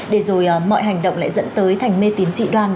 để rồi mọi hành động lại dẫn tới thành mê tín dị đoan